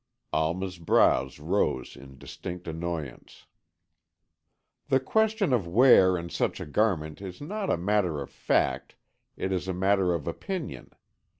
Alma's brows rose in distinct annoyance. "The question of wear in such a garment is not a matter of fact, it is a matter of opinion.